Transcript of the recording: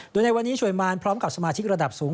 โดยในวันนี้ช่วยมารพร้อมกับสมาชิกระดับสูง